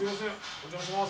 お邪魔します。